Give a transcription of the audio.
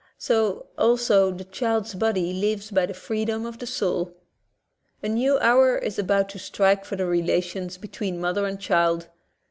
So, also, the child's body lives by the freedom of the soul. A new hour is about to strike for the rela tions between mother and child.